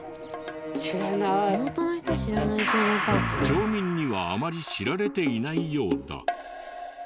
町民にはあまり知られていないようだ。